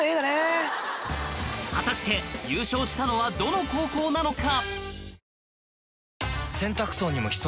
果たして優勝したのはどの高校なのか？